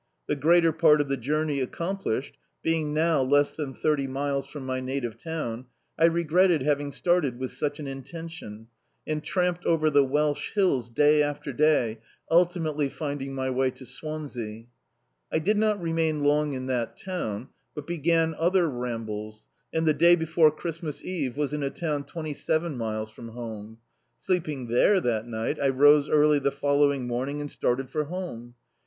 The greater part of the journey accom plished, being now less than thirty miles from my native town, I regretted having started with such an intention, and tramped over the Welsh Hills day after day, ultimately finding my way to Swansea. I did not remain laag in that town, but b^an other rambles, and the day before Christmas eve, was in a town twenty seven miles from home; sleeping there that night I rose early the following morning and started for home.